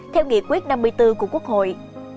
theo nghị quyết năm mươi bốn của quốc hội